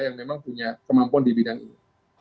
yang memang punya kemampuan di bidang ini